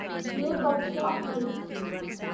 یے بدشاہ ہے